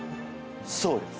そうです。